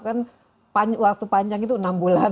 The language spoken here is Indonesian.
kan waktu panjang itu enam bulan